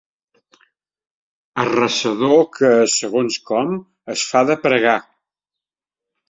Arrasador que, segons com, es fa de pregar.